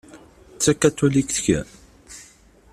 D takatulikt kemm?